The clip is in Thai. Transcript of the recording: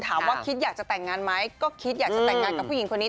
คิดว่าคิดอยากจะแต่งงานไหมก็คิดอยากจะแต่งงานกับผู้หญิงคนนี้